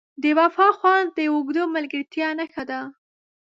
د وفا خوند د اوږدې ملګرتیا نښه ده.